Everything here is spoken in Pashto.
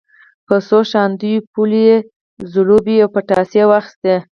په څو شانداپولیو یې زلوبۍ او پتاسې واخیستې.